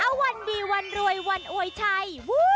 อัวะวันบีมาวันรวยวันววยใช่